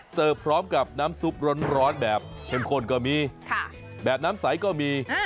พร้อมกับน้ำซุปร้อนแบบเข้มข้นก็มีแบบน้ำใสก็มี